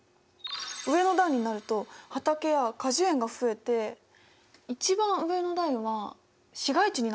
上の段になると畑や果樹園が増えて一番上の段は市街地になってます。